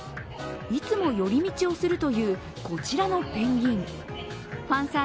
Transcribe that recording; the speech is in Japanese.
いつも寄り道をするというこちらのペンギン。